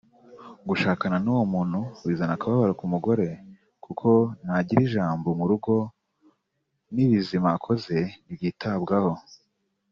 Gushakana n’uwo muntu bizana akababaro k’umugore kuko ntagira ijambo mu rugo n’ibizima akoze ntibyitabwaho